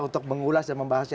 untuk mengulas dan membahasnya